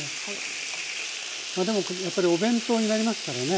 でもやっぱりお弁当になりますからね。